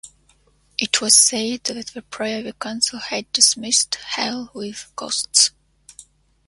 It was said that the Privy Council had "dismissed hell with costs".